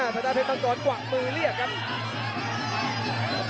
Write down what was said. พนักเพชรต้องกรกวักมือเรียกครับ